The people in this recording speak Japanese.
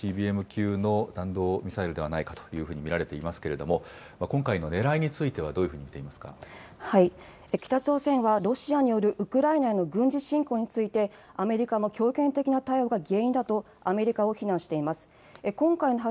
こんどうさん、ＩＣＢＭ級の弾道ミサイルではないかというふうに見られていますけれども、今回のねらいについてはどういうふうに北朝鮮はロシアによるウクライナの軍事侵攻について、アメリカの的な対応が原因だと、アメリカを非難しています。